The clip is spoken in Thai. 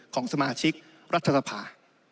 ของสมาชิกรัฐสภา